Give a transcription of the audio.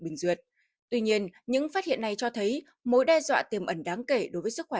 bình duyệt tuy nhiên những phát hiện này cho thấy mối đe dọa tiềm ẩn đáng kể đối với sức khỏe